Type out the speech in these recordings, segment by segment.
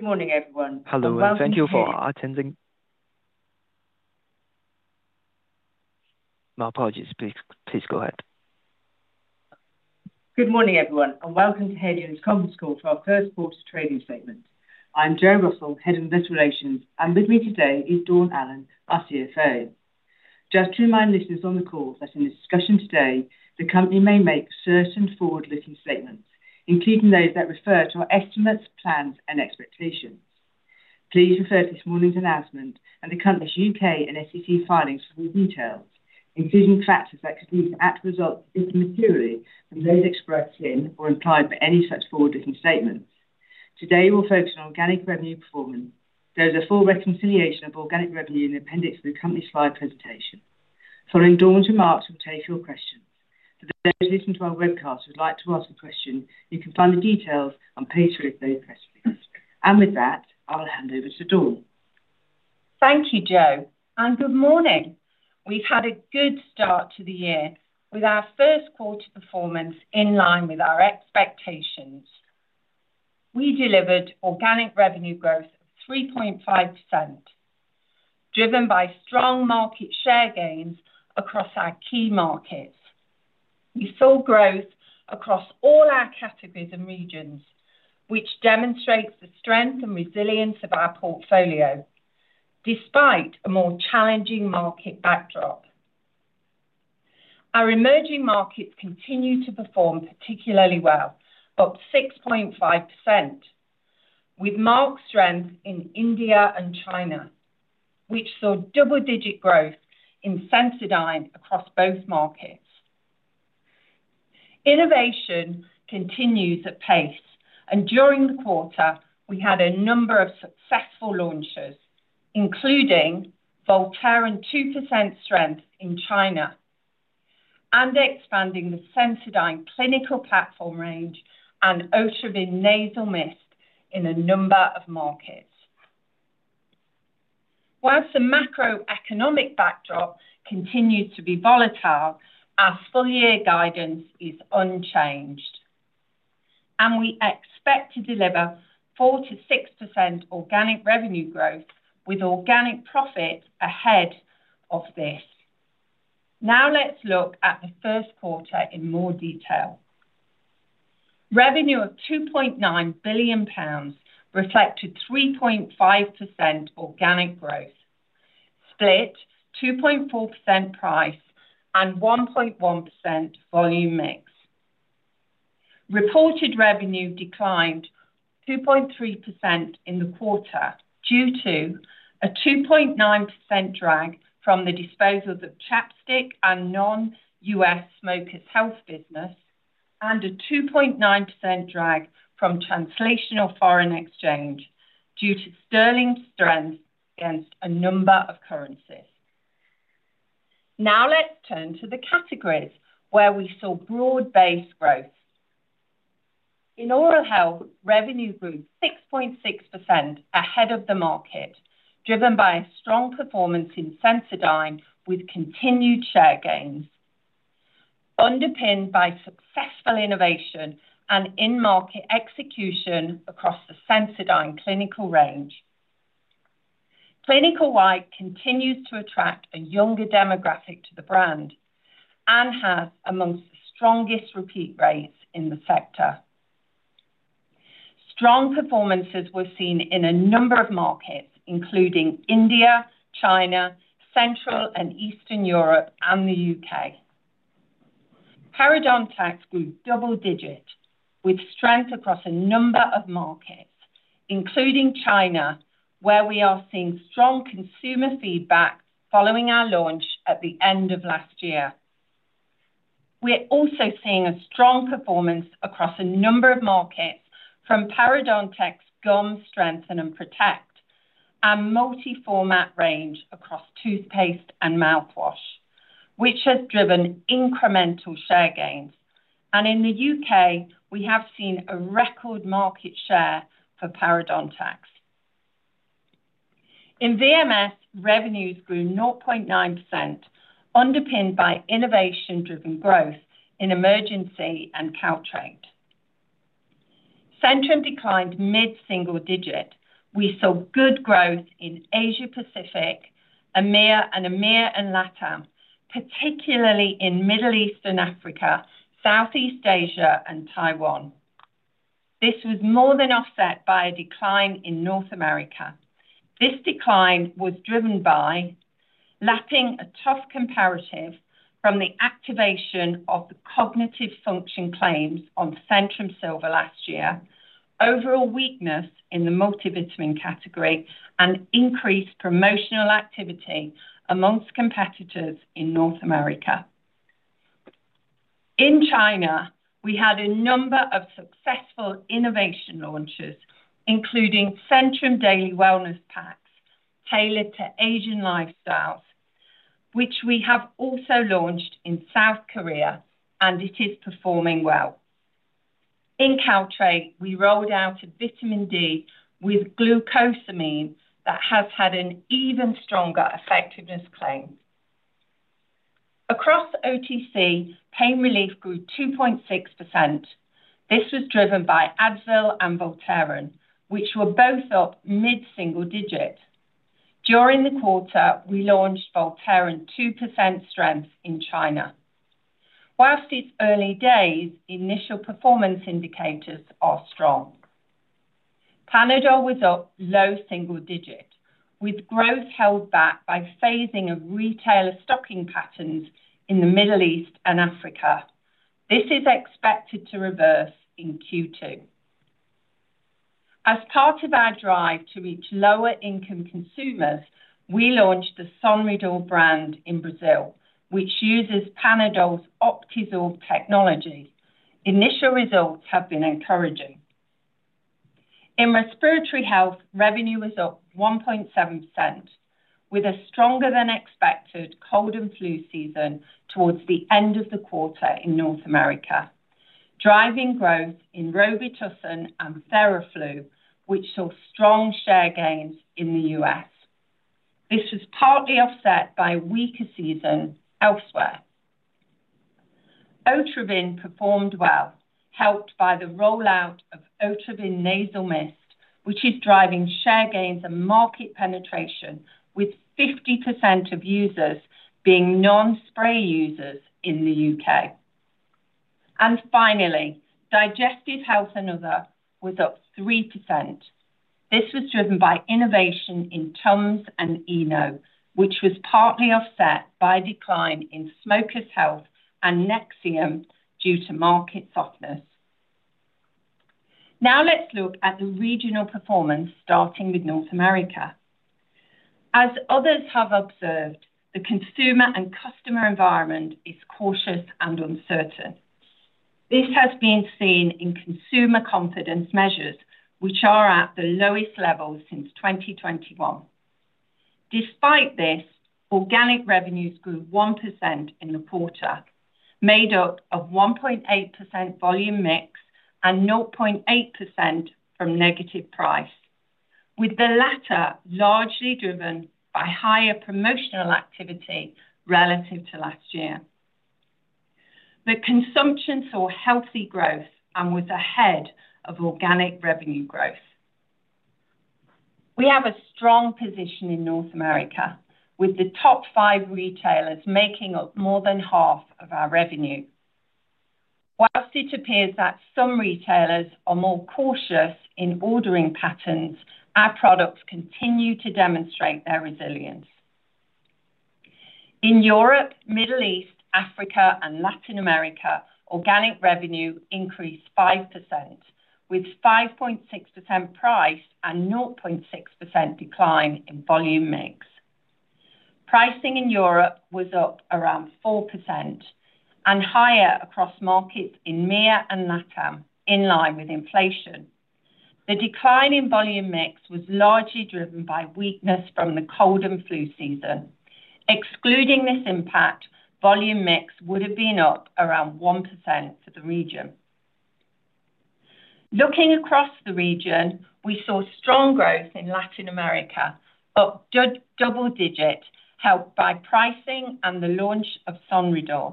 Good morning, everyone. Hello, and thank you for attending. My apologies. Please, please go ahead. Good morning, everyone, and welcome to Haleon's conference call for our first quarter trading statement. I'm Jo Russell, Head of Investor Relations, and with me today is Dawn Allen, our CFO. Just to remind listeners on the call that in the discussion today, the company may make certain forward-looking statements, including those that refer to our estimates, plans, and expectations. Please refer to this morning's announcement and the company's U.K. and SEC filings for more details, including factors that could lead to [out-of-the-result disadvantage] from those expressed in or implied by any such forward-looking statements. Today, we'll focus on organic revenue performance. There is a full reconciliation of organic revenue in the appendix to the company's slide presentation. Following Dawn's remarks, we'll take your questions. For those listening to our webcast who'd like to ask a question, you can find the details on page 3 of the press release. With that, I'll hand over to Dawn. Thank you, Jo, and good morning. We've had a good start to the year with our first quarter performance in line with our expectations. We delivered organic revenue growth of 3.5%, driven by strong market share gains across our key markets. We saw growth across all our categories and regions, which demonstrates the strength and resilience of our portfolio, despite a more challenging market backdrop. Our emerging markets continue to perform particularly well, up 6.5%, with marked strength in India and China, which saw double-digit growth in Sensodyne across both markets. Innovation continues at pace, and during the quarter, we had a number of successful launches, including Voltaren 2% strength in China and expanding the Sensodyne clinical platform range and Otrivin Nasal Mist in a number of markets. Whilst the macroeconomic backdrop continues to be volatile, our full-year guidance is unchanged, and we expect to deliver 4%-6% organic revenue growth with organic profit ahead of this. Now let's look at the first quarter in more detail. Revenue of 2.9 billion pounds reflected 3.5% organic growth, split 2.4% price and 1.1% volume mix. Reported revenue declined 2.3% in the quarter due to a 2.9% drag from the disposal of ChapStick and non-US Smokers' Health business, and a 2.9% drag from translational foreign exchange due to sterling strength against a number of currencies. Now let's turn to the categories where we saw broad-based growth. In oral health, revenue grew 6.6% ahead of the market, driven by a strong performance in Sensodyne with continued share gains, underpinned by successful innovation and in-market execution across the Sensodyne Clinical range. Clinical White, it continues to attract a younger demographic to the brand and has amongst the strongest repeat rates in the sector. Strong performances were seen in a number of markets, including India, China, Central and Eastern Europe, and the U.K. Parodontax grew double-digit with strength across a number of markets, including China, where we are seeing strong consumer feedback following our launch at the end of last year. We are also seeing a strong performance across a number of markets from Parodontax Gum Strengthen & Protect and multi-format range across toothpaste and mouthwash, which has driven incremental share gains. In the U.K., we have seen a record market share for Parodontax. In VMS, revenues grew 9.9%, underpinned by innovation-driven growth in Emergen-C and Caltrate. Centrum declined mid-single digit. We saw good growth in Asia Pacific, and AMEA and Latin America, particularly in Middle East and Africa, Southeast Asia, and Taiwan. This was more than offset by a decline in North America. This decline was driven by lapping a tough comparative from the activation of the cognitive function claims on Centrum Silver last year, overall weakness in the multivitamin category, and increased promotional activity amongst competitors in North America. In China, we had a number of successful innovation launches, including Centrum Daily Wellness Packs tailored to Asian lifestyles, which we have also launched in South Korea, and it is performing well. In Central and Eastern Europe, we rolled out a vitamin D with glucosamine that has had an even stronger effectiveness claim. Across OTC, Pain Relief grew 2.6%. This was driven by Advil and Voltaren, which were both up mid-single digit. During the quarter, we launched Voltaren 2% strength in China. Whilst it's early days, initial performance indicators are strong. Panadol was up low single digit, with growth held back by phasing of retailer stocking patterns in the Middle East and Africa. This is expected to reverse in Q2. As part of our drive to reach lower-income consumers, we launched the Sonridor brand in Brazil, which uses Panadol's Optizorb technology. Initial results have been encouraging. In respiratory health, revenue was up 1.7%, with a stronger-than-expected cold and flu season towards the end of the quarter in North America, driving growth in Robitussin and Theraflu, which saw strong share gains in the U.S. This was partly offset by a weaker season elsewhere. Otrivin performed well, helped by the rollout of Otrivin Nasal Mist, which is driving share gains and market penetration, with 50% of users being non-spray users in the U.K. Finally, Digestive Health another was up 3%. This was driven by innovation in Tums and ENO, which was partly offset by a decline in smoker's health and Nexium due to market softness. Now let's look at the regional performance, starting with North America. As others have observed, the consumer and customer environment is cautious and uncertain. This has been seen in consumer confidence measures, which are at the lowest level since 2021. Despite this, organic revenues grew 1% in the quarter, made up of 1.8% volume mix and 0.8% from negative price, with the latter largely driven by higher promotional activity relative to last year. Consumption saw healthy growth and was ahead of organic revenue growth. We have a strong position in North America, with the top five retailers making up more than half of our revenue. Whilst it appears that some retailers are more cautious in ordering patterns, our products continue to demonstrate their resilience. In Europe, Middle East, Africa, and Latin America, organic revenue increased 5%, with 5.6% price and 0.6% decline in volume mix. Pricing in Europe was up around 4% and higher across markets in MEA and LATAM, in line with inflation. The decline in volume mix was largely driven by weakness from the cold and flu season. Excluding this impact, volume mix would have been up around 1% for the region. Looking across the region, we saw strong growth in Latin America, up double digit, helped by pricing and the launch of Sonridor.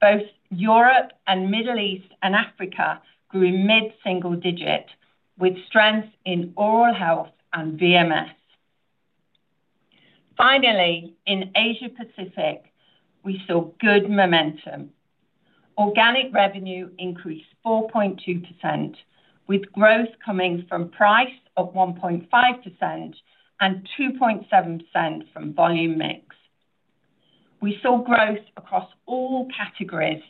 Both Europe and Middle East and Africa grew mid-single digit, with strength in oral health and VMS. Finally, in Asia Pacific, we saw good momentum. Organic revenue increased 4.2%, with growth coming from price up 1.5% and 2.7% from volume mix. We saw growth across all categories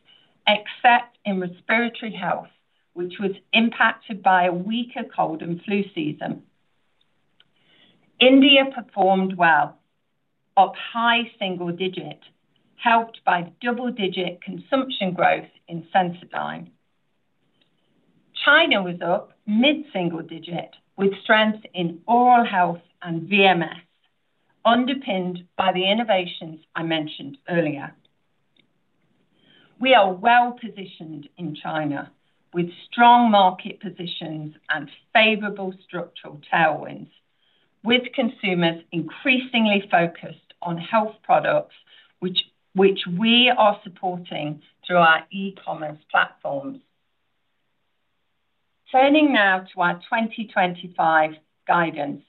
except in respiratory health, which was impacted by a weaker cold and flu season. India performed well, up high single digit, helped by double-digit consumption growth in Sensodyne. China was up mid-single digit, with strength in oral health and VMS, underpinned by the innovations I mentioned earlier. We are well positioned in China, with strong market positions and favorable structural tailwinds, with consumers increasingly focused on health products, which we are supporting through our e-commerce platforms. Turning now to our 2025 guidance.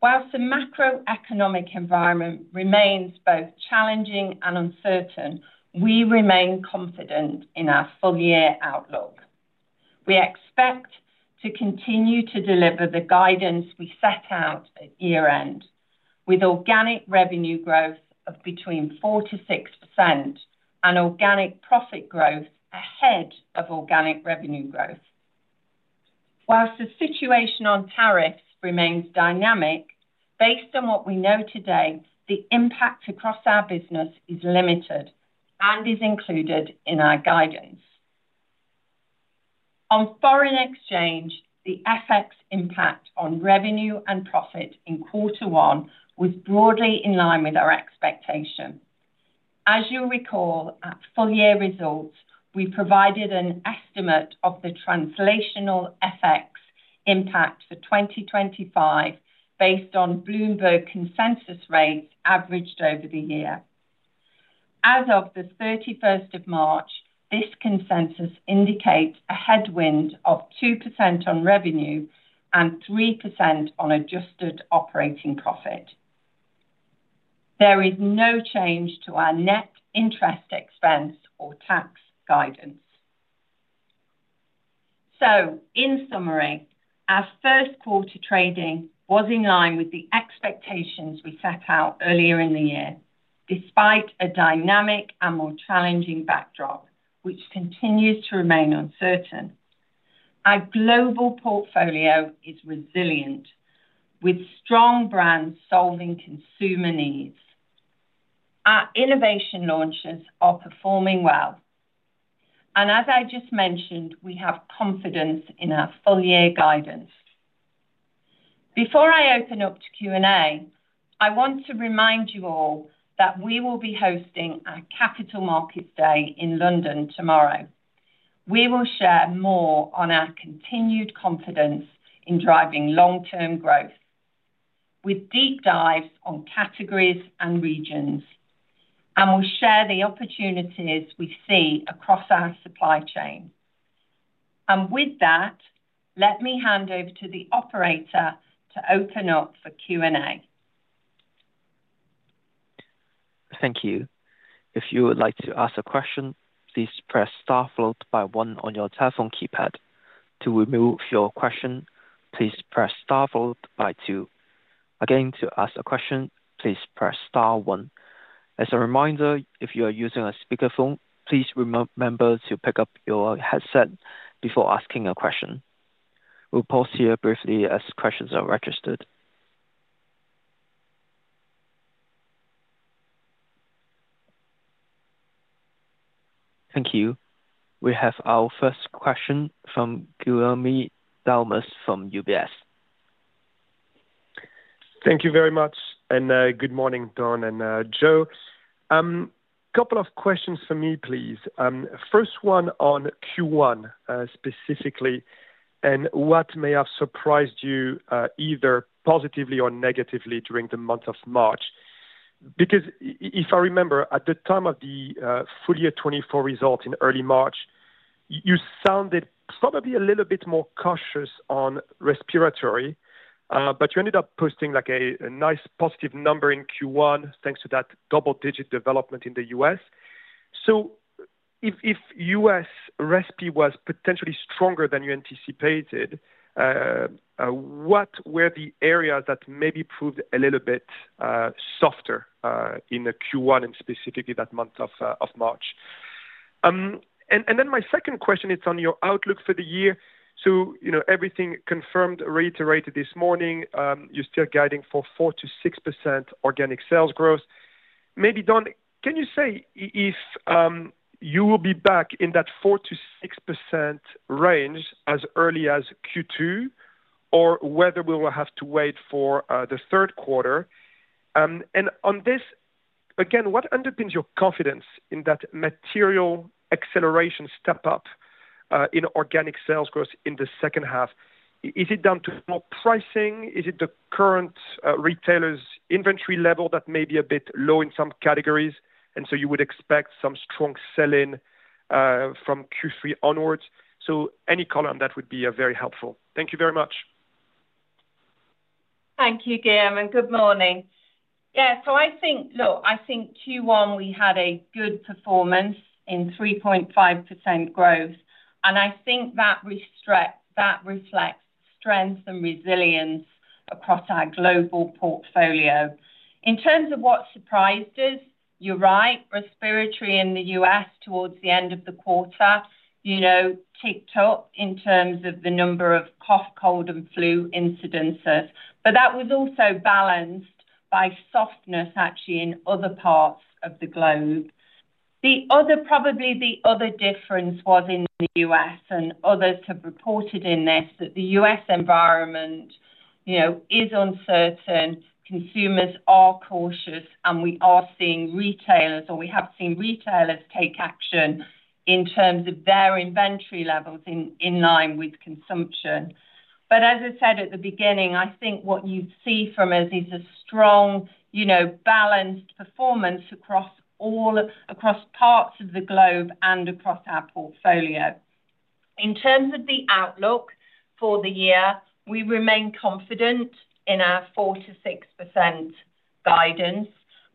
Whilst the macroeconomic environment remains both challenging and uncertain, we remain confident in our full-year outlook. We expect to continue to deliver the guidance we set out at year-end, with organic revenue growth of between 4%-6% and organic profit growth ahead of organic revenue growth. Whilst the situation on tariffs remains dynamic, based on what we know today, the impact across our business is limited and is included in our guidance. On foreign exchange, the FX impact on revenue and profit in quarter one was broadly in line with our expectation. As you'll recall, at full-year results, we provided an estimate of the translational FX impact for 2025 based on Bloomberg consensus rates averaged over the year. As of the 31st of March, this consensus indicates a headwind of 2% on revenue and 3% on adjusted operating profit. There is no change to our net interest expense or tax guidance. In summary, our first quarter trading was in line with the expectations we set out earlier in the year, despite a dynamic and more challenging backdrop, which continues to remain uncertain. Our global portfolio is resilient, with strong brands solving consumer needs. Our innovation launches are performing well. As I just mentioned, we have confidence in our full-year guidance. Before I open up to Q&A, I want to remind you all that we will be hosting our Capital Markets Day in London tomorrow. We will share more on our continued confidence in driving long-term growth, with deep dives on categories and regions, and we will share the opportunities we see across our supply chain. With that, let me hand over to the operator to open up for Q&A. Thank you. If you would like to ask a question, please press star followed by one on your telephone keypad. To remove your question, please press star followed by two. Again, to ask a question, please press star one. As a reminder, if you are using a speakerphone, please remember to pick up your headset before asking a question. We'll pause here briefly as questions are registered. Thank you. We have our first question from Guillaume Delmas from UBS. Thank you very much. And good morning, Dawn and Jo. A couple of questions for me, please. First one on Q1 specifically, and what may have surprised you either positively or negatively during the month of March? Because if I remember, at the time of the full-year 2024 result in early March, you sounded probably a little bit more cautious on respiratory, but you ended up posting like a nice positive number in Q1 thanks to that double-digit development in the US. If U.S. respi was potentially stronger than you anticipated, what were the areas that maybe proved a little bit softer in Q1 and specifically that month of March? My second question is on your outlook for the year. Everything confirmed, reiterated this morning, you're still guiding for 4%-6% organic sales growth. Maybe, Dawn, can you say if you will be back in that 4%-6% range as early as Q2, or whether we will have to wait for the third quarter? On this, again, what underpins your confidence in that material acceleration step-up in organic sales growth in the second half? Is it down to more pricing? Is it the current retailer's inventory level that may be a bit low in some categories? You would expect some strong sell-in from Q3 onwards. Any color on that would be very helpful. Thank you very much. Thank you, Guillaume, and good morning. Yeah, I think Q1 we had a good performance in 3.5% growth, and I think that reflects strength and resilience across our global portfolio. In terms of what surprised us, you're right, respiratory in the U.S. towards the end of the quarter ticked up in terms of the number of cough, cold, and flu incidences, but that was also balanced by softness, actually, in other parts of the globe. Probably the other difference was in the U.S., and others have reported in this that the U.S. environment is uncertain, consumers are cautious, and we are seeing retailers, or we have seen retailers take action in terms of their inventory levels in line with consumption. As I said at the beginning, I think what you see from us is a strong, balanced performance across parts of the globe and across our portfolio. In terms of the outlook for the year, we remain confident in our 4%-6% guidance.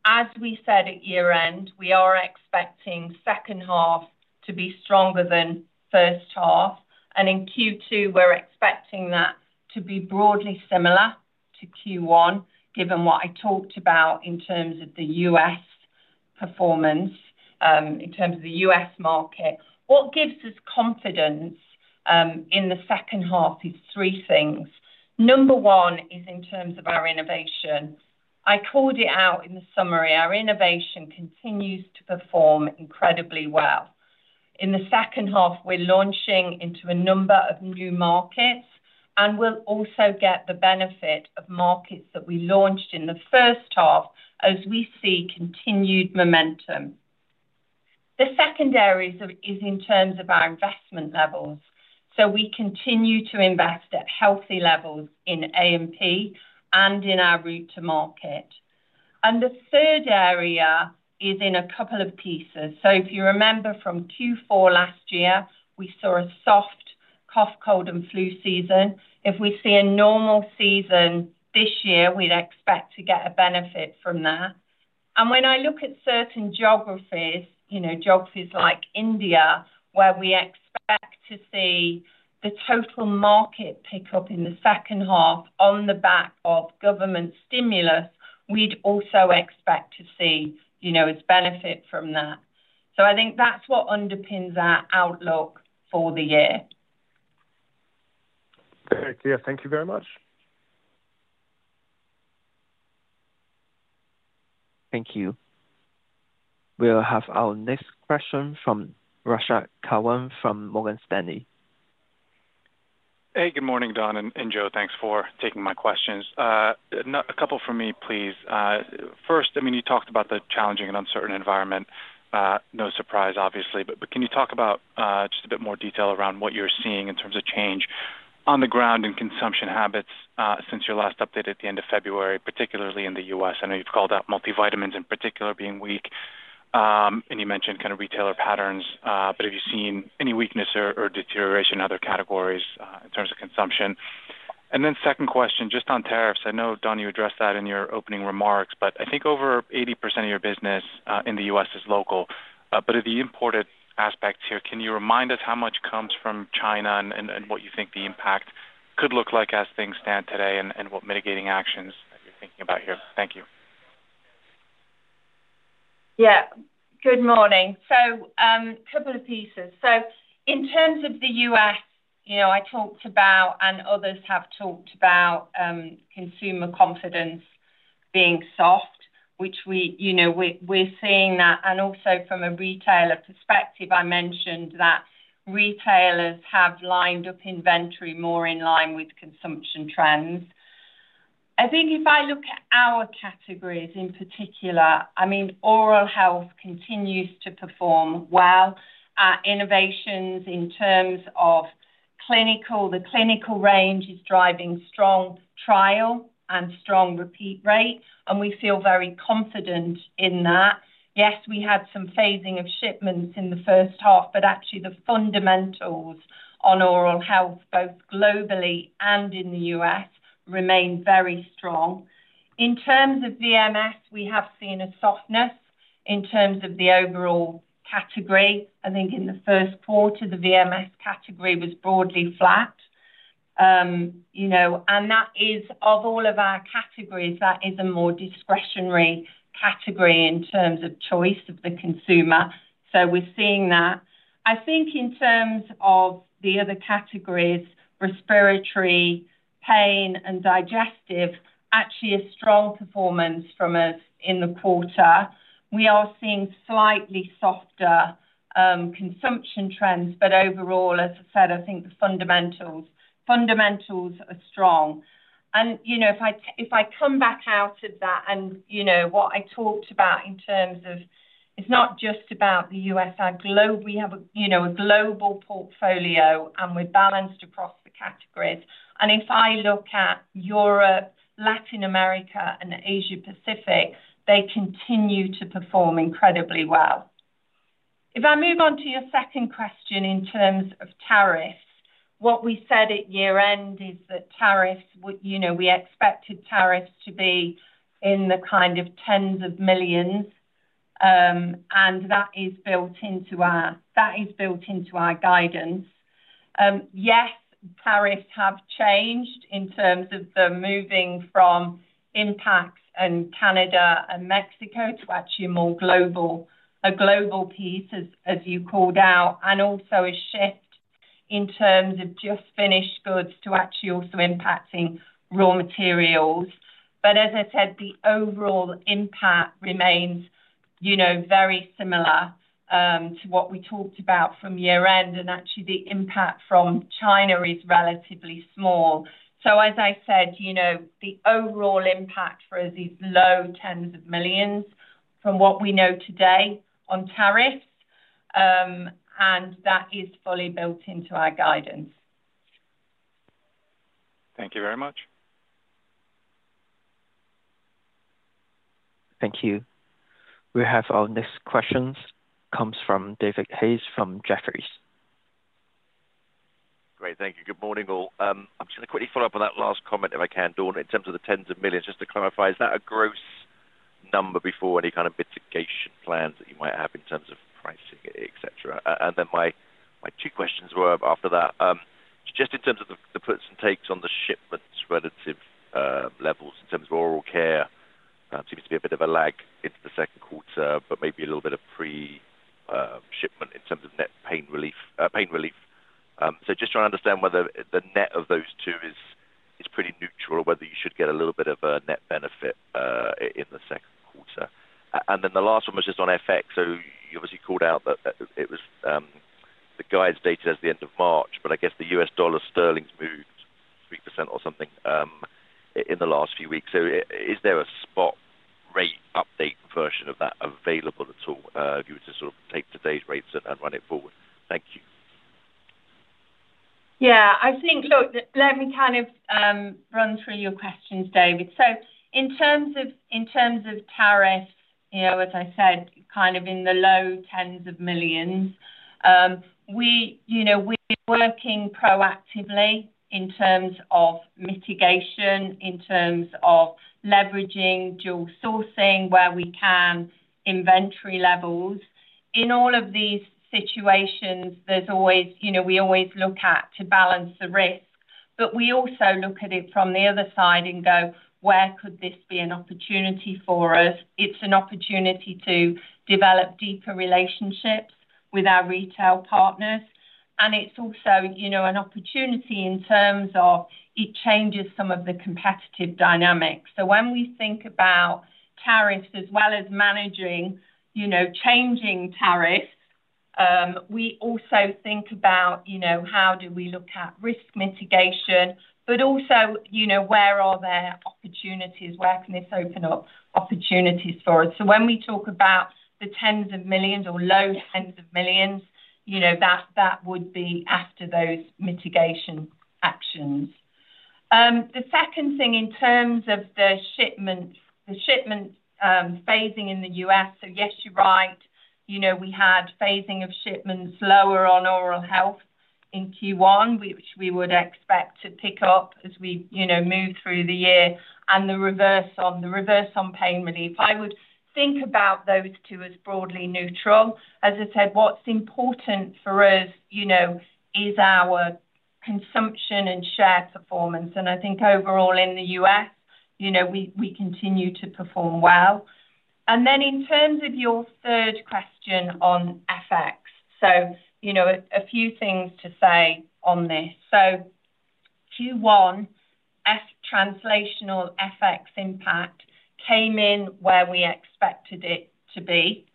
As we said at year-end, we are expecting second half to be stronger than first half. In Q2, we're expecting that to be broadly similar to Q1, given what I talked about in terms of the U.S. performance, in terms of the U.S. market. What gives us confidence in the second half is three things. Number one is in terms of our innovation. I called it out in the summary. Our innovation continues to perform incredibly well. In the second half, we're launching into a number of new markets, and we'll also get the benefit of markets that we launched in the first half as we see continued momentum. The second area is in terms of our investment levels. We continue to invest at healthy levels in A&P and in our route to market. The third area is in a couple of pieces. If you remember from Q4 last year, we saw a soft cough, cold, and flu season. If we see a normal season this year, we'd expect to get a benefit from that. When I look at certain geographies, geographies like India, where we expect to see the total market pick up in the second half on the back of government stimulus, we'd also expect to see its benefit from that. I think that's what underpins our outlook for the year. Thank you. Thank you very much. Thank you. We'll have our next question from Rashad Kawan from Morgan Stanley. Hey, good morning, Dawn and Jo. Thanks for taking my questions. A couple from me, please. First, I mean, you talked about the challenging and uncertain environment. No surprise, obviously. Can you talk about just a bit more detail around what you're seeing in terms of change on the ground in consumption habits since your last update at the end of February, particularly in the U.S.? I know you've called out multivitamins in particular being weak, and you mentioned kind of retailer patterns. Have you seen any weakness or deterioration in other categories in terms of consumption? Second question, just on tariffs. I know, Dawn, you addressed that in your opening remarks, but I think over 80% of your business in the U.S. is local. Of the imported aspects here, can you remind us how much comes from China and what you think the impact could look like as things stand today and what mitigating actions you're thinking about here? Thank you. Yeah. Good morning. A couple of pieces. In terms of the U.S., I talked about and others have talked about consumer confidence being soft, which we are seeing. Also from a retailer perspective, I mentioned that retailers have lined up inventory more in line with consumption trends. I think if I look at our categories in particular, I mean, oral health continues to perform well. Our innovations in terms of clinical, the clinical range is driving strong trial and strong repeat rate, and we feel very confident in that. Yes, we had some phasing of shipments in the first half, but actually the fundamentals on oral health, both globally and in the U.S., remain very strong. In terms of VMS, we have seen a softness in terms of the overall category. I think in the first quarter, the VMS category was broadly flat. That is, of all of our categories, that is a more discretionary category in terms of choice of the consumer. We're seeing that. I think in terms of the other categories, respiratory, pain, and digestive, actually a strong performance from us in the quarter. We are seeing slightly softer consumption trends, but overall, as I said, I think the fundamentals are strong. If I come back out of that and what I talked about in terms of it's not just about the U.S., our globe, we have a global portfolio, and we're balanced across the categories. If I look at Europe, Latin America, and Asia-Pacific, they continue to perform incredibly well. If I move on to your second question in terms of tariffs, what we said at year-end is that tariffs, we expected tariffs to be in the kind of tens of millions, and that is built into our guidance. Yes, tariffs have changed in terms of the moving from impacts in Canada and Mexico to actually a more global piece, as you called out, and also a shift in terms of just finished goods to actually also impacting raw materials. As I said, the overall impact remains very similar to what we talked about from year-end, and actually the impact from China is relatively small. As I said, the overall impact for us is low tens of millions from what we know today on tariffs, and that is fully built into our guidance. Thank you very much. Thank you. We have our next questions come from David Hayes from Jefferies. Great. Thank you. Good morning, all. I'm just going to quickly follow up on that last comment, if I can, Dawn, in terms of the tens of millions. Just to clarify, is that a gross number before any kind of mitigation plans that you might have in terms of pricing, etc.? My two questions were after that. Just in terms of the puts and takes on the shipments relative levels in terms of oral care, there seems to be a bit of a lag into the second quarter, but maybe a little bit of pre-shipment in terms of net Pain Relief. Just trying to understand whether the net of those two is pretty neutral or whether you should get a little bit of a net benefit in the second quarter. The last one was just on FX. You obviously called out that it was the guide's dated as the end of March, but I guess the US dollar sterling's moved 3% or something in the last few weeks. Is there a spot rate update version of that available at all if you were to sort of take today's rates and run it forward? Thank you. Yeah. Look, let me kind of run through your questions, David. In terms of tariffs, as I said, kind of in the low tens of millions, we're working proactively in terms of mitigation, in terms of leveraging dual sourcing where we can, inventory levels. In all of these situations, we always look at to balance the risk, but we also look at it from the other side and go, where could this be an opportunity for us? It's an opportunity to develop deeper relationships with our retail partners. It's also an opportunity in terms of it changes some of the competitive dynamics. When we think about tariffs as well as managing changing tariffs, we also think about how do we look at risk mitigation, but also where are there opportunities, where can this open up opportunities for us? When we talk about the tens of millions or low tens of millions, that would be after those mitigation actions. The second thing in terms of the shipment phasing in the U.S., yes, you're right, we had phasing of shipments lower on oral health in Q1, which we would expect to pick up as we move through the year, and the reverse on Pain Relief. I would think about those two as broadly neutral. As I said, what's important for us is our consumption and share performance. I think overall in the U.S., we continue to perform well. In terms of your third question on FX, a few things to say on this. Q1 translational FX impact came in where we expected it to be.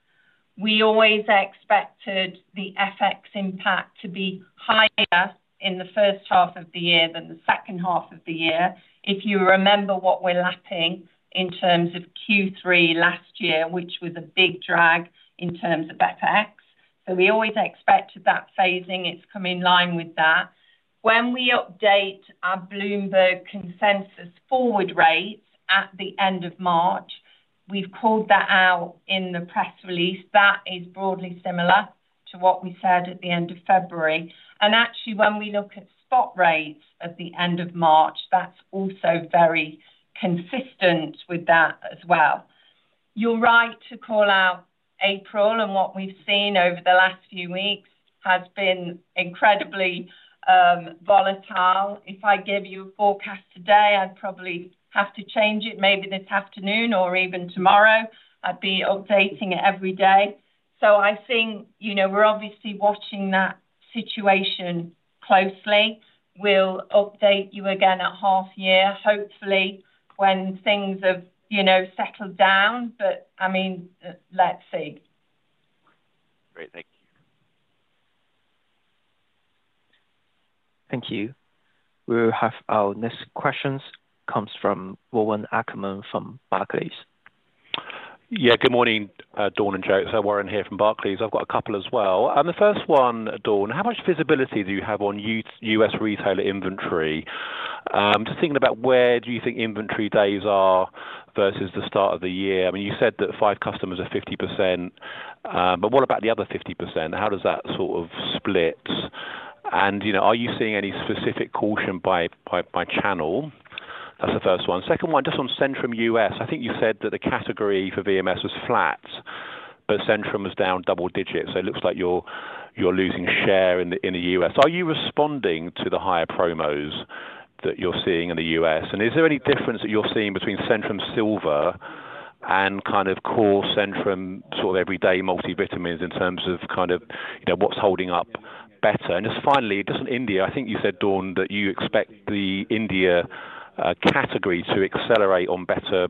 We always expected the FX impact to be higher in the first half of the year than the second half of the year. If you remember what we're lapping in terms of Q3 last year, which was a big drag in terms of FX. We always expected that phasing, and it's come in line with that. When we update our Bloomberg Consensus Forward Rates at the end of March, we've called that out in the press release. That is broadly similar to what we said at the end of February. Actually, when we look at spot rates at the end of March, that's also very consistent with that as well. You're right to call out April, and what we've seen over the last few weeks has been incredibly volatile. If I give you a forecast today, I'd probably have to change it maybe this afternoon or even tomorrow. I'd be updating it every day. I think we're obviously watching that situation closely. We'll update you again at half-year, hopefully, when things have settled down. I mean, let's see. Great. Thank you. Thank you. We'll have our next questions come from Warren Ackerman from Barclays. Yeah. Good morning, Dawn and Jo. Warren here from Barclays. I've got a couple as well. The first one, Dawn, how much visibility do you have on U.S. retailer inventory? Just thinking about where do you think inventory days are versus the start of the year? I mean, you said that five customers are 50%, but what about the other 50%? How does that sort of split? Are you seeing any specific caution by channel? That's the first one. Second one, just on Centrum U.S. I think you said that the category for VMS was flat, but Centrum was down double digits. It looks like you're losing share in the U.S. Are you responding to the higher promos that you're seeing in the U.S.? Is there any difference that you're seeing between Centrum Silver and kind of core Centrum sort of everyday multivitamins in terms of kind of what's holding up better? Just finally, just on India, I think you said, Dawn, that you expect the India category to accelerate on better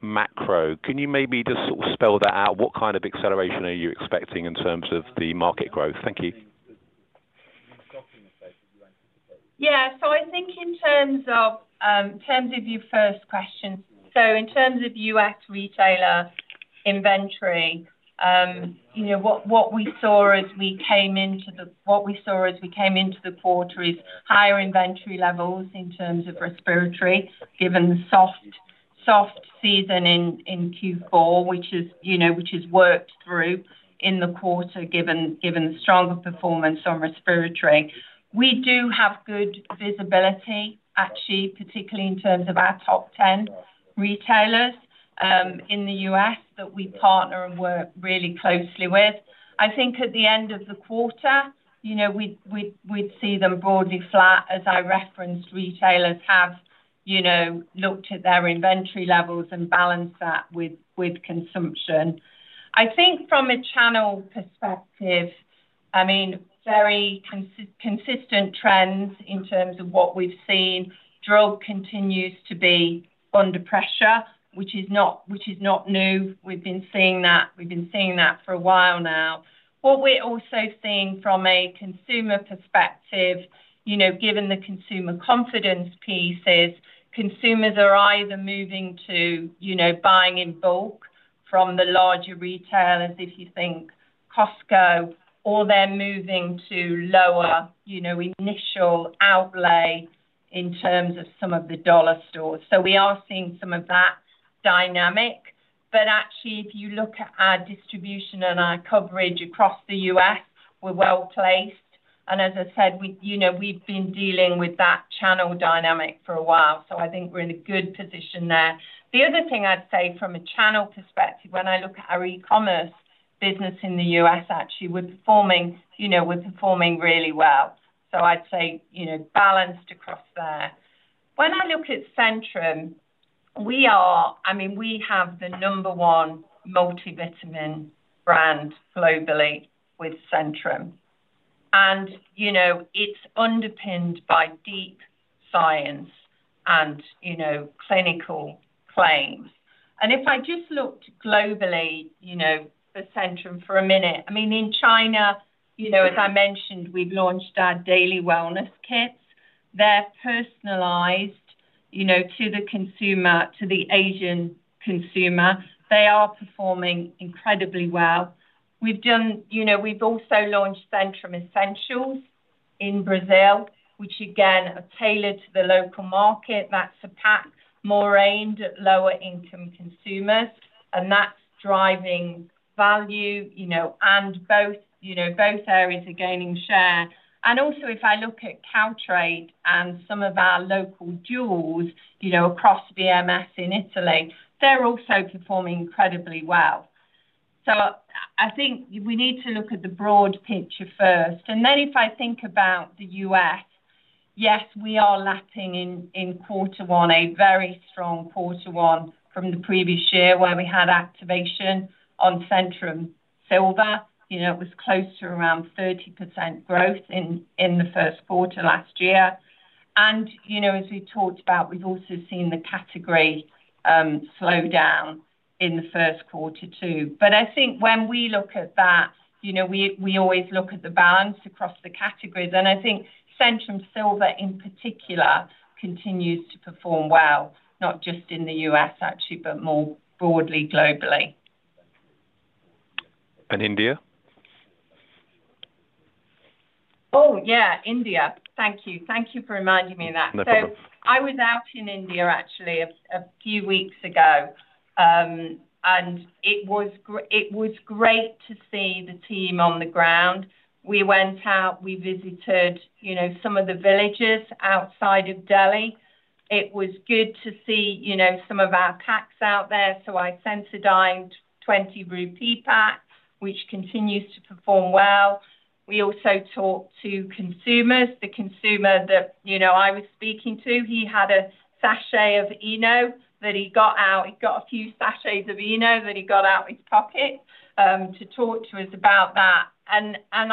macro. Can you maybe just sort of spell that out? What kind of acceleration are you expecting in terms of the market growth? Thank you. Yeah. I think in terms of your first question, in terms of U.S. retailer inventory, what we saw as we came into the quarter is higher inventory levels in terms of respiratory given the soft season in Q4, which has worked through in the quarter given the stronger performance on respiratory. We do have good visibility, actually, particularly in terms of our top 10 retailers in the U.S. that we partner and work really closely with. I think at the end of the quarter, we'd see them broadly flat, as I referenced retailers have looked at their inventory levels and balanced that with consumption. I think from a channel perspective, I mean, very consistent trends in terms of what we've seen. Drug continues to be under pressure, which is not new. We've been seeing that. We've been seeing that for a while now. What we're also seeing from a consumer perspective, given the consumer confidence pieces, consumers are either moving to buying in bulk from the larger retailers, if you think Costco, or they're moving to lower initial outlay in terms of some of the dollar stores. We are seeing some of that dynamic. Actually, if you look at our distribution and our coverage across the U.S., we're well placed. As I said, we've been dealing with that channel dynamic for a while. I think we're in a good position there. The other thing I'd say from a channel perspective, when I look at our e-commerce business in the U.S., actually, we're performing really well. I'd say balanced across there. When I look at Centrum, I mean, we have the number one multivitamin brand globally with Centrum. It's underpinned by deep science and clinical claims. If I just looked globally for Centrum for a minute, I mean, in China, as I mentioned, we've launched our daily wellness kits. They're personalised to the consumer, to the Asian consumer. They are performing incredibly well. We've also launched Centrum Essentials in Brazil, which again, are tailored to the local market. That's a pack more aimed at lower-income consumers, and that's driving value. Both areas are gaining share. If I look at Caltrate and some of our local duals across VMS in Italy, they're also performing incredibly well. I think we need to look at the broad picture first. If I think about the U.S., yes, we are lapping in quarter one, a very strong quarter one from the previous year where we had activation on Centrum Silver. It was close to around 30% growth in the first quarter last year. As we talked about, we've also seen the category slow down in the first quarter too. I think when we look at that, we always look at the balance across the categories. I think Centrum Silver in particular continues to perform well, not just in the U.S., actually, but more broadly globally. India? Oh, yeah, India. Thank you. Thank you for reminding me of that. I was out in India, actually, a few weeks ago, and it was great to see the team on the ground. We went out. We visited some of the villages outside of Delhi. It was good to see some of our packs out there. I saw a Sensodyne 20 rupee pack, which continues to perform well. We also talked to consumers. The consumer that I was speaking to, he had a sachet of ENO that he got out. He got a few sachets of ENO that he got out of his pocket to talk to us about that.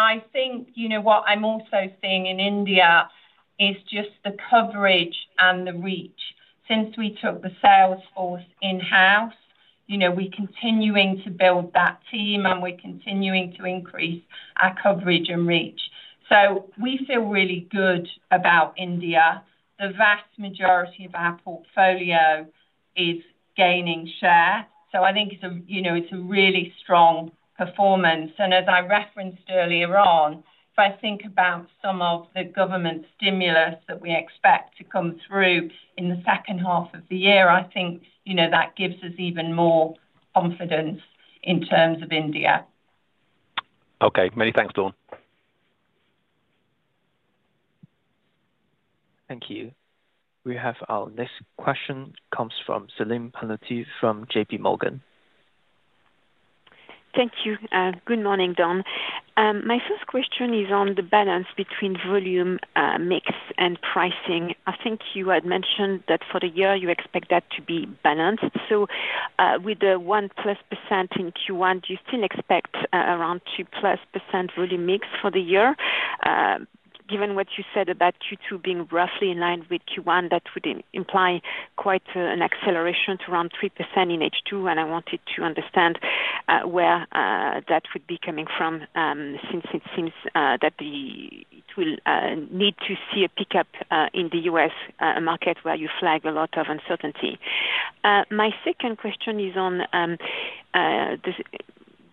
I think what I am also seeing in India is just the coverage and the reach. Since we took the sales force in-house, we are continuing to build that team, and we are continuing to increase our coverage and reach. We feel really good about India. The vast majority of our portfolio is gaining share. I think it is a really strong performance. As I referenced earlier on, if I think about some of the government stimulus that we expect to come through in the second half of the year, I think that gives us even more confidence in terms of India. Okay. Many thanks, Dawn. Thank you. We have our next question comes from Celine Pannuti from J.P. Morgan. Thank you. Good morning, Dawn. My first question is on the balance between volume mix and pricing. I think you had mentioned that for the year, you expect that to be balanced. With the +1% in Q1, do you still expect around +2% volume mix for the year? Given what you said about Q2 being roughly in line with Q1, that would imply quite an acceleration to around 3% in H2. I wanted to understand where that would be coming from since it seems that it will need to see a pickup in the U.S. market where you flag a lot of uncertainty. My second question is on the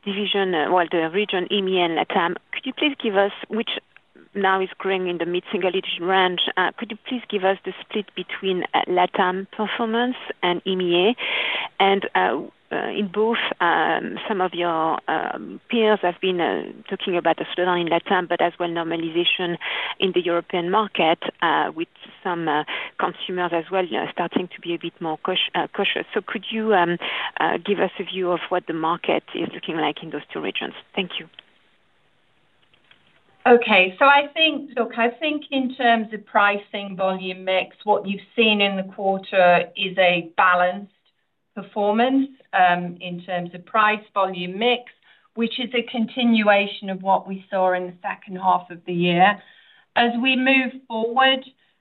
division, the region, EMEA and LATAM. Could you please give us, which now is growing in the mid-single-digit range, could you please give us the split between LATAM performance and EMEA? In both, some of your peers have been talking about a slowdown in LATAM, but as well, normalization in the European market with some consumers as well starting to be a bit more cautious. Could you give us a view of what the market is looking like in those two regions? Thank you. Okay. I think in terms of pricing volume mix, what you've seen in the quarter is a balanced performance in terms of price volume mix, which is a continuation of what we saw in the second half of the year. As we move forward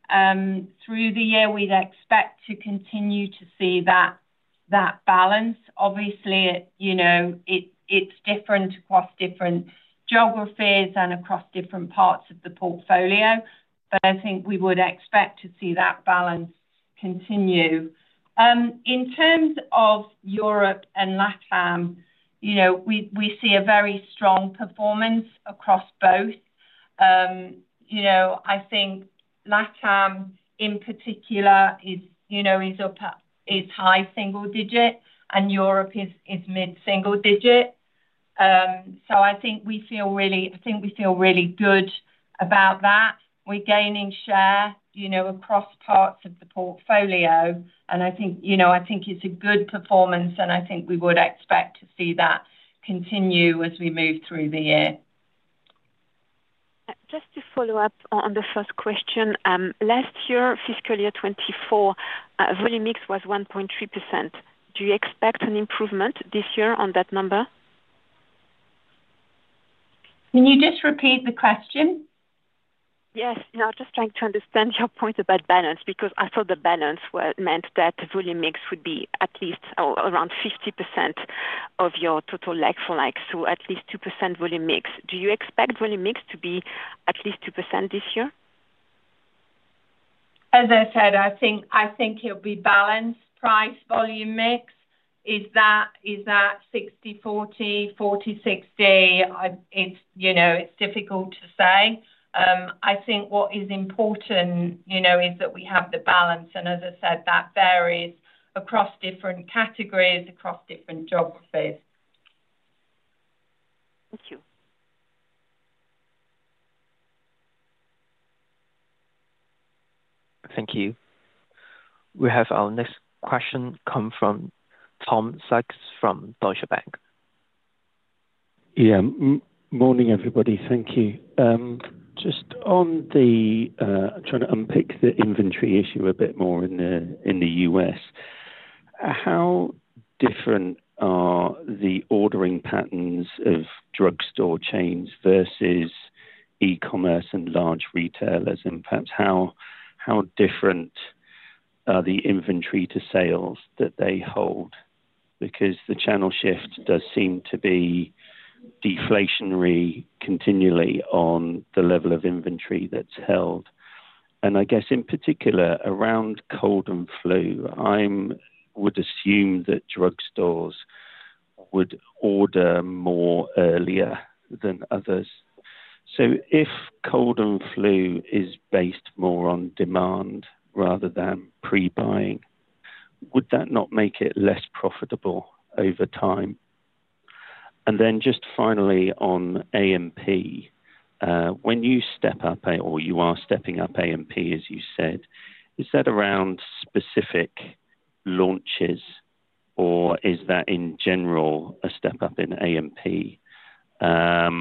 through the year, we'd expect to continue to see that balance. Obviously, it's different across different geographies and across different parts of the portfolio. I think we would expect to see that balance continue. In terms of Europe and LATAM, we see a very strong performance across both. I think LATAM in particular is high single digit, and Europe is mid-single digit. I think we feel really good about that. We're gaining share across parts of the portfolio. I think it's a good performance, and I think we would expect to see that continue as we move through the year. Just to follow up on the first question, last year, fiscal year 2024, volume mix was 1.3%. Do you expect an improvement this year on that number? Can you just repeat the question? Yes. No, I'm just trying to understand your point about balance because I thought the balance meant that volume mix would be at least around 50% of your total legs for legs, so at least 2% volume mix. Do you expect volume mix to be at least 2% this year? As I said, I think it'll be balanced price volume mix. Is that 60/40, 40/60? It's difficult to say. I think what is important is that we have the balance. As I said, that varies across different categories, across different geographies. Thank you. Thank you. We have our next question come from Tom Sykes from Deutsche Bank. Yeah. Morning, everybody. Thank you. Just on the I'm trying to unpick the inventory issue a bit more in the U.S. How different are the ordering patterns of drugstore chains versus e-commerce and large retailers? And perhaps how different are the inventory to sales that they hold? Because the channel shift does seem to be deflationary continually on the level of inventory that's held. I guess in particular, around cold and flu, I would assume that drugstores would order more earlier than others. If cold and flu is based more on demand rather than pre-buying, would that not make it less profitable over time? Just finally on A&P, when you step up or you are stepping up A&P, as you said, is that around specific launches, or is that in general a step up in A&P? How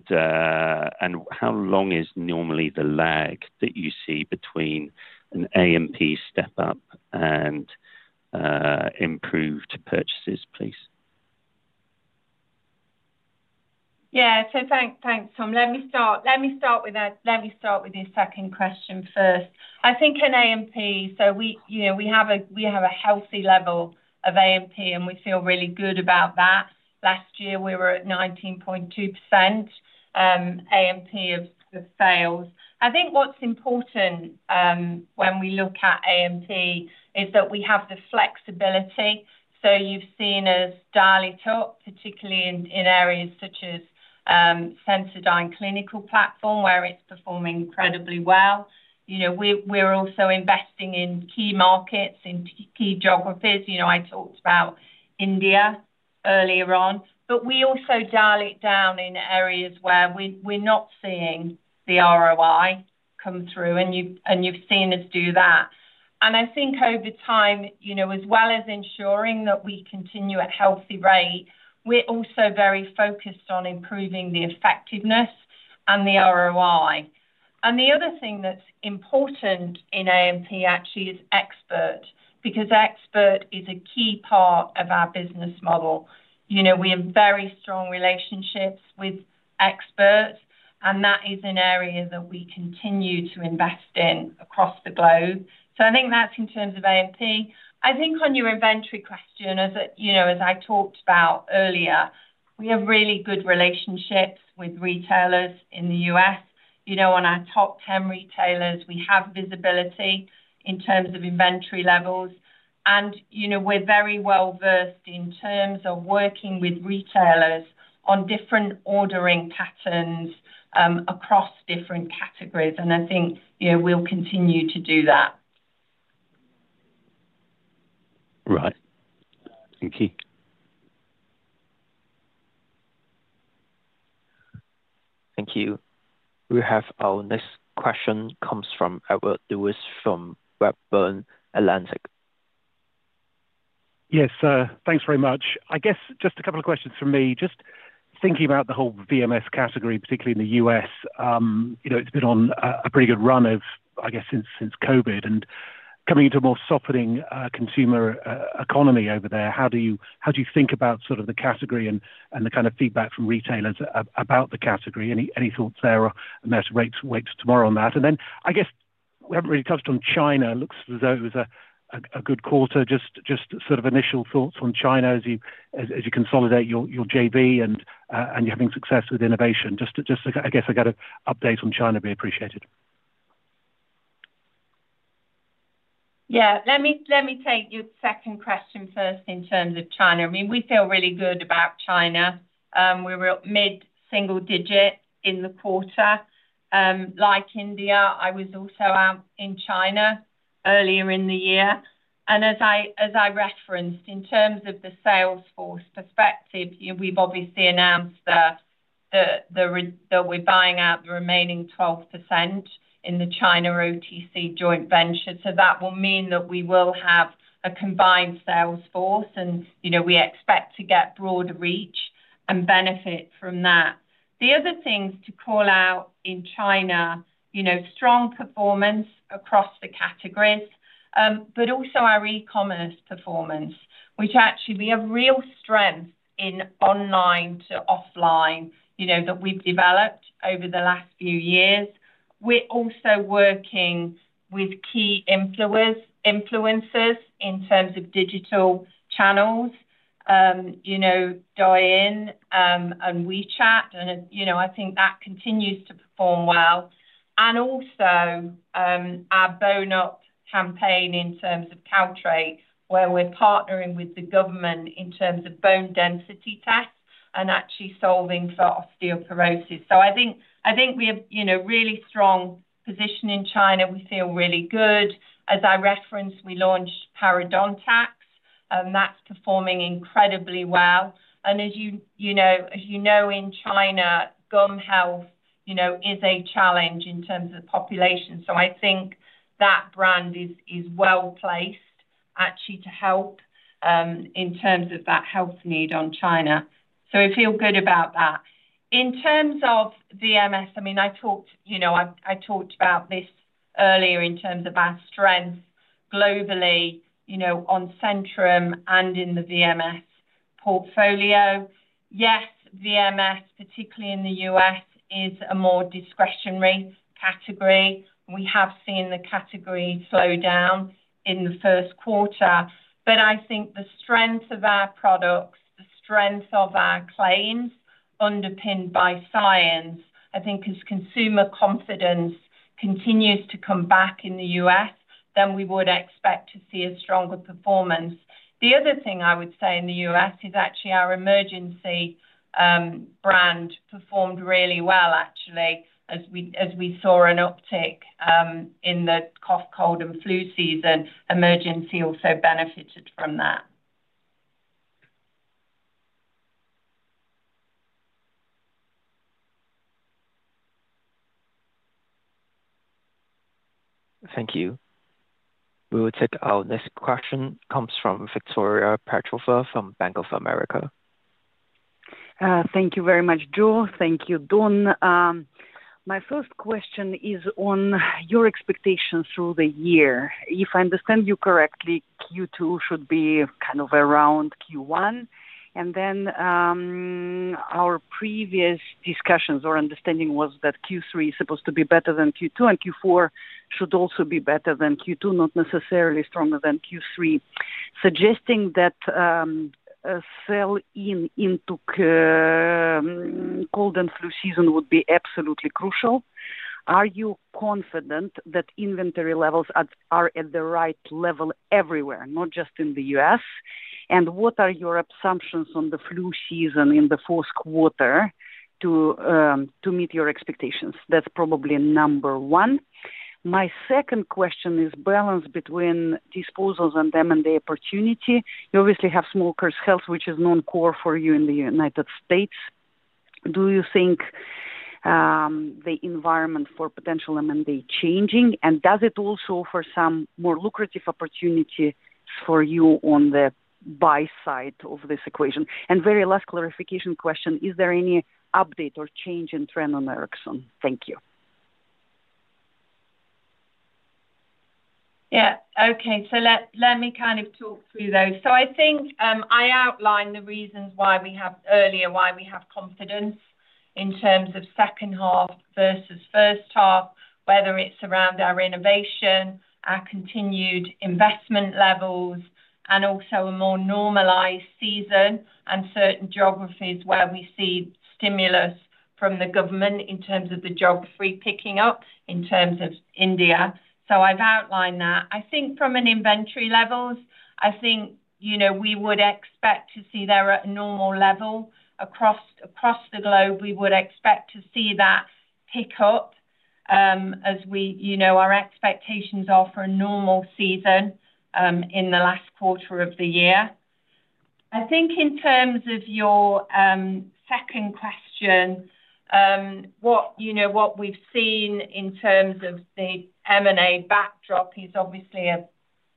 long is normally the lag that you see between an A&P step up and improved purchases, please? Yeah. Thanks, Tom. Let me start with that. Let me start with this second question first. I think in A&P, we have a healthy level of A&P, and we feel really good about that. Last year, we were at 19.2% A&P of sales. I think what's important when we look at A&P is that we have the flexibility. You have seen us dial it up, particularly in areas such as Sensodyne Clinical platform, where it is performing incredibly well. We are also investing in key markets, in key geographies. I talked about India earlier on. We also dial it down in areas where we're not seeing the ROI come through, and you've seen us do that. I think over time, as well as ensuring that we continue at a healthy rate, we're also very focused on improving the effectiveness and the ROI. The other thing that's important in A&P, actually, is expert, because expert is a key part of our business model. We have very strong relationships with experts, and that is an area that we continue to invest in across the globe. I think that's in terms of A&P. I think on your inventory question, as I talked about earlier, we have really good relationships with retailers in the U.S. On our top 10 retailers, we have visibility in terms of inventory levels. We're very well versed in terms of working with retailers on different ordering patterns across different categories. I think we'll continue to do that. Right. Thank you. Thank you. We have our next question comes from Edward Lewis from Redburn Atlantic. Yes. Thanks very much. I guess just a couple of questions from me. Just thinking about the whole VMS category, particularly in the U.S., it's been on a pretty good run of, I guess, since COVID and coming into a more softening consumer economy over there. How do you think about sort of the category and the kind of feedback from retailers about the category? Any thoughts there? Let's wait tomorrow on that. I guess we haven't really touched on China. It looks as though it was a good quarter. Just sort of initial thoughts on China as you consolidate your JV and you're having success with innovation. I guess I got an update on China would be appreciated. Yeah. Let me take your second question first in terms of China. I mean, we feel really good about China. We were mid-single digit in the quarter, like India. I was also out in China earlier in the year. As I referenced, in terms of the sales force perspective, we have obviously announced that we are buying out the remaining 12% in the China OTC joint venture. That will mean that we will have a combined sales force, and we expect to get broader reach and benefit from that. The other things to call out in China, strong performance across the categories, but also our e-commerce performance, which actually we have real strength in online to offline that we have developed over the last few years. We are also working with key influencers in terms of digital channels, Douyin and WeChat. I think that continues to perform well. Our bone-up campaign in terms of Caltrate, where we're partnering with the government in terms of bone density tests and actually solving for osteoporosis, is also important. I think we have a really strong position in China. We feel really good. As I referenced, we launched Parodontax, and that's performing incredibly well. As you know, in China, gum health is a challenge in terms of the population. I think that brand is well placed, actually, to help in terms of that health need in China. We feel good about that. In terms of VMS, I mean, I talked about this earlier in terms of our strength globally on Centrum and in the VMS portfolio. Yes, VMS, particularly in the U.S., is a more discretionary category. We have seen the category slow down in the first quarter. I think the strength of our products, the strength of our claims underpinned by science, I think as consumer confidence continues to come back in the U.S., then we would expect to see a stronger performance. The other thing I would say in the U.S. is actually our Emergen-C brand performed really well, actually, as we saw an uptick in the cough, cold, and flu season. Emergen-C also benefited from that. Thank you. We will take our next question, comes from Victoria Petrova from Bank of America. Thank you very much, Jo. Thank you, Dawn. My first question is on your expectations through the year. If I understand you correctly, Q2 should be kind of around Q1. In our previous discussions or understanding, Q3 is supposed to be better than Q2, and Q4 should also be better than Q2, not necessarily stronger than Q3. Suggesting that a sell-in into cold and flu season would be absolutely crucial. Are you confident that inventory levels are at the right level everywhere, not just in the U.S.? What are your assumptions on the flu season in the fourth quarter to meet your expectations? That's probably number one. My second question is balance between disposals and M&A opportunity. You obviously have Smoker's Health, which is non-core for you in the United States. Do you think the environment for potential M&A is changing? Does it also offer some more lucrative opportunities for you on the buy side of this equation? Very last clarification question, is there any update or change in Erexon? Thank you. Yeah. Okay. Let me kind of talk through those. I think I outlined the reasons why we have earlier why we have confidence in terms of second half versus first half, whether it's around our innovation, our continued investment levels, and also a more normalized season and certain geographies where we see stimulus from the government in terms of the geography picking up in terms of India. I have outlined that. I think from an inventory levels, I think we would expect to see there at a normal level across the globe. We would expect to see that pick up as our expectations are for a normal season in the last quarter of the year. I think in terms of your second question, what we've seen in terms of the M&A backdrop is obviously a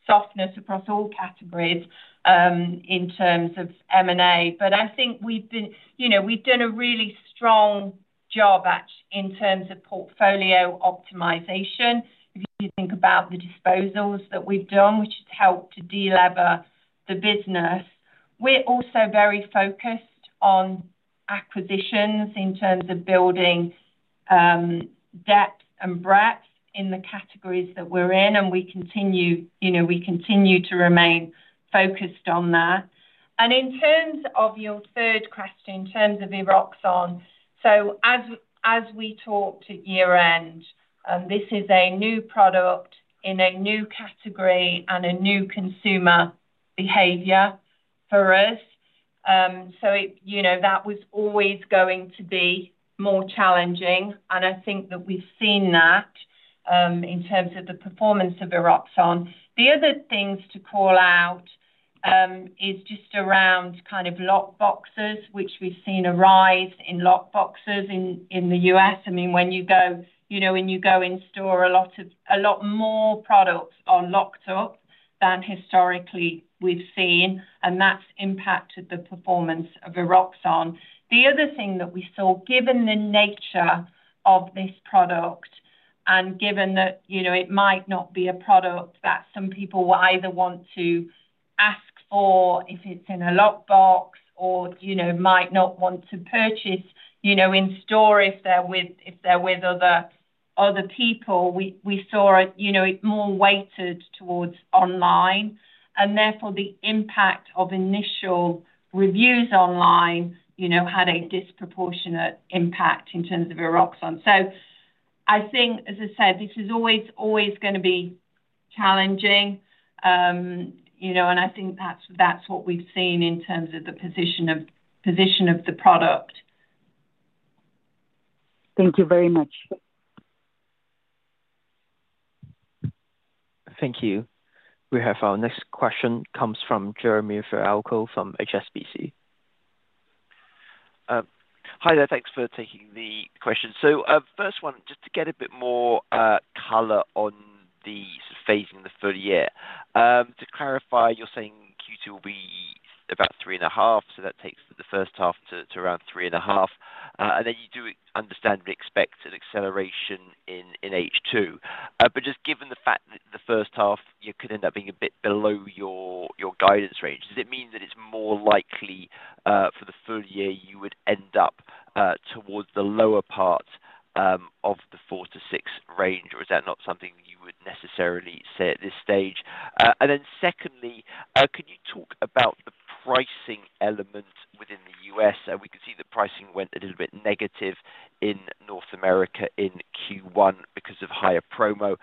softness across all categories in terms of M&A. I think we've done a really strong job in terms of portfolio optimization. If you think about the disposals that we've done, which has helped to delever the business, we're also very focused on acquisitions in terms of building depth and breadth in the categories that we're in. We continue to remain focused on that. In terms of your third question, in terms of Emergen-C, as we talked at year-end, this is a new product in a new category and a new consumer behavior for us. That was always going to be more challenging. I think that we've seen that in terms of the performance of Emergen-C. The other things to call out is just around kind of lockboxes, which we've seen a rise in lockboxes in the U.S. I mean, when you go in store, a lot more products are locked up than historically we've seen. That's impacted the performance of Emergen-C. The other thing that we saw, given the nature of this product and given that it might not be a product that some people will either want to ask for if it's in a lockbox or might not want to purchase in store if they're with other people, we saw it more weighted towards online. Therefore, the impact of initial reviews online had a disproportionate impact in terms of Erexon. I think, as I said, this is always going to be challenging. I think that's what we've seen in terms of the position of the product. Thank you very much. Thank you. We have our next question comes from Jeremy Fialko from HSBC. Hi, there. Thanks for taking the question. First one, just to get a bit more color on the phase in the full year. To clarify, you're saying Q2 will be about three and a half. That takes the first half to around three and a half. You do understand we expect an acceleration in H2. Just given the fact that the first half, you could end up being a bit below your guidance range, does it mean that it's more likely for the full year you would end up towards the lower part of the 4%-6% range? Is that not something you would necessarily say at this stage? Secondly, could you talk about the pricing element within the U.S.? We could see the pricing went a little bit negative in North America in Q1 because of higher promo.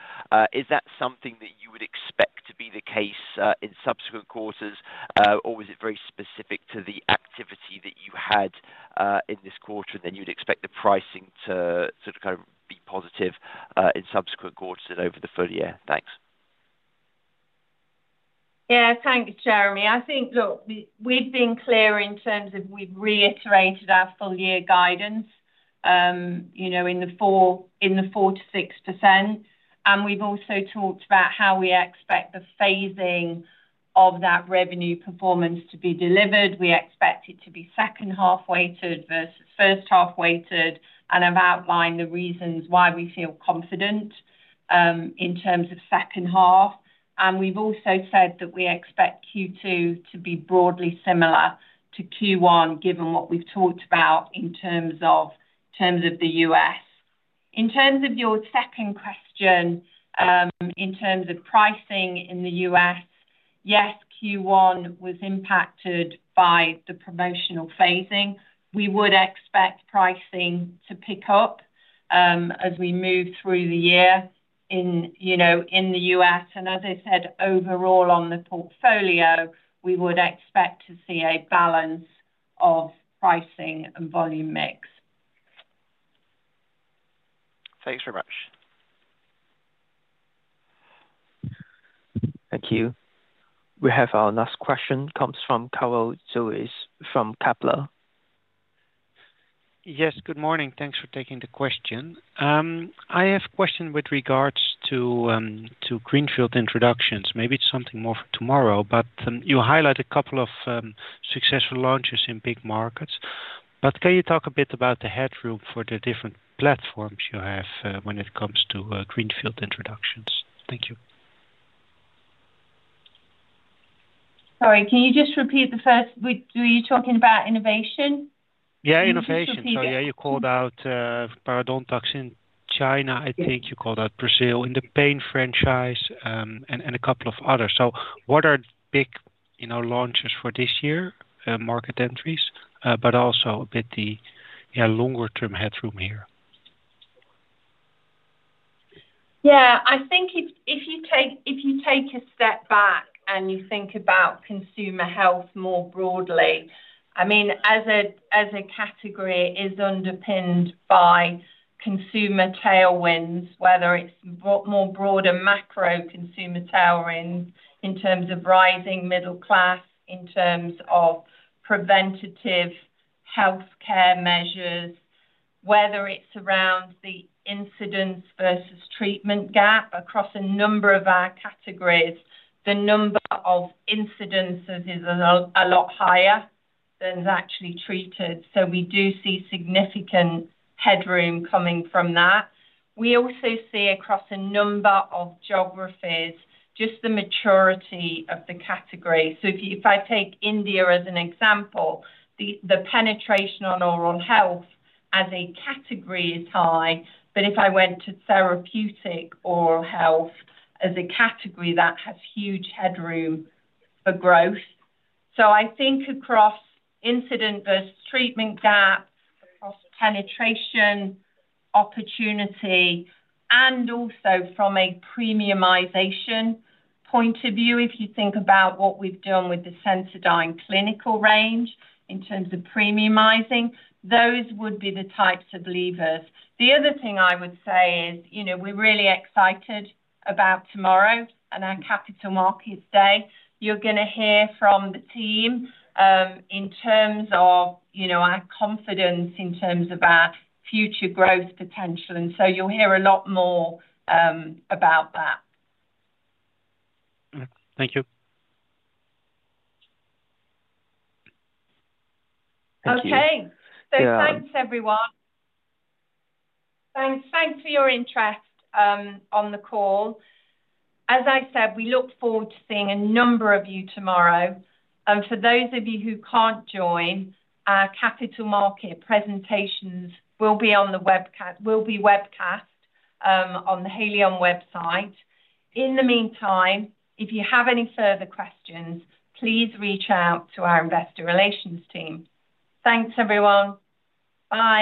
Is that something that you would expect to be the case in subsequent quarters? Or was it very specific to the activity that you had in this quarter? You'd expect the pricing to sort of kind of be positive in subsequent quarters and over the full year? Thanks. Yeah. Thanks, Jeremy. I think, look, we've been clear in terms of we've reiterated our full year guidance in the 4%-6%. We've also talked about how we expect the phasing of that revenue performance to be delivered. We expect it to be second half weighted versus first half weighted. I've outlined the reasons why we feel confident in terms of second half. We've also said that we expect Q2 to be broadly similar to Q1, given what we've talked about in terms of the U.S. In terms of your second question, in terms of pricing in the U.S., yes, Q1 was impacted by the promotional phasing. We would expect pricing to pick up as we move through the year in the U.S. As I said, overall, on the portfolio, we would expect to see a balance of pricing and volume mix. Thanks very much. Thank you. We have our last question comes from Karel Zoete from Kepler. Yes. Good morning. Thanks for taking the question. I have a question with regards to greenfield introductions. Maybe it is something more for tomorrow. You highlighted a couple of successful launches in big markets. Can you talk a bit about the headroom for the different platforms you have when it comes to greenfield introductions? Thank you. Sorry. Can you just repeat the first? Were you talking about innovation? Yeah, innovation. Yeah, you called out Parodontax in China. I think you called out Brazil in the Pain franchise and a couple of others. What are big launches for this year, market entries, but also a bit the longer-term headroom here? Yeah. I think if you take a step back and you think about consumer health more broadly, I mean, as a category, it is underpinned by consumer tailwinds, whether it's more broader macro consumer tailwinds in terms of rising middle class, in terms of preventative healthcare measures, whether it's around the incidence versus treatment gap across a number of our categories. The number of incidences is a lot higher than is actually treated. We do see significant headroom coming from that. We also see across a number of geographies, just the maturity of the category. If I take India as an example, the penetration on oral health as a category is high. If I went to Therapeutic Oral Health as a category, that has huge headroom for growth. I think across incident versus treatment gap, across penetration opportunity, and also from a premiumization point of view, if you think about what we've done with the Sensodyne Clinical range in terms of premiumizing, those would be the types of levers. The other thing I would say is we're really excited about tomorrow and our Capital Markets Day. You're going to hear from the team in terms of our confidence in terms of our future growth potential. You'll hear a lot more about that. Thank you. Thanks, everyone. Thanks for your interest on the call. As I said, we look forward to seeing a number of you tomorrow. For those of you who can't join, our Capital Markets presentations will be on the webcast on the Haleon website. In the meantime, if you have any further questions, please reach out to our investor relations team. Thanks, everyone. Bye.